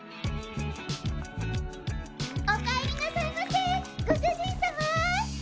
おかえりなさいませご主人さま！